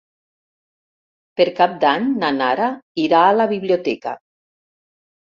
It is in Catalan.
Per Cap d'Any na Nara irà a la biblioteca.